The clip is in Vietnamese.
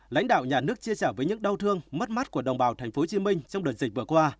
lãnh đạo nhà nước chia sẻ với những đau thương mất mát của đồng bào tp hcm trong đợt dịch vừa qua